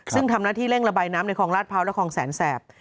ซึ่งทำหน้าที่เร่งระบายน้ำในคลองลาดพร้าวและคลองแสนแสบ